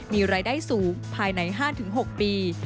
มีรายได้สูงภายใน๕๖ปี